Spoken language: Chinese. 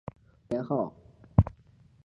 德昌是北齐政权安德王高延宗的年号。